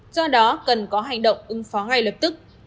do đó cần có hành động ứng phó ngay lập tức